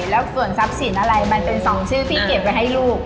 แล้วส่วนทรัพย์สินอะไรมันเป็น๒ชื่อพี่เก็บไว้ให้ลูก